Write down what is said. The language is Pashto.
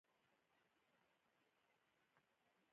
وچ وېښتيان ژر ماتېږي.